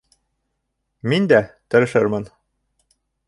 Мин дә... тырышырмын.